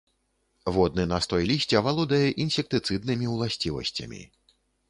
Водны настой лісця валодае інсектыцыднымі ўласцівасцямі.